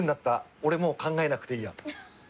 俺もう考えなくていいや。